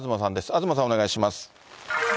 東さん、お願いします。